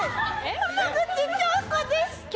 浜口京子です。